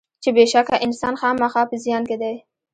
چې بېشکه انسان خامخا په زیان کې دی.